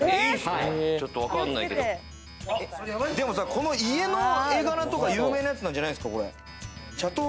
この家の絵柄とか有名なやつなんじゃないですか、これ。